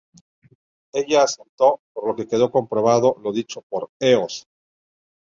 Ella aceptó, por lo que quedó comprobado lo dicho por Eos.